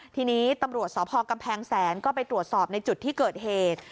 ทีนี้ตำรวจสพกำแพงแสนก็ไปตรวจสอบในจุดที่เกิดเหตุ